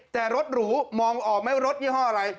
แต่รถหรูมองออกไหมว่ารถยี่ห้ออะไร